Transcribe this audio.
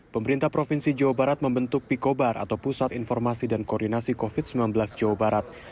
pemerintah provinsi jawa barat membentuk pikobar atau pusat informasi dan koordinasi covid sembilan belas jawa barat